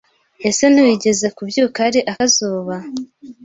Ese ntiwigeze kubyuka hari akazuba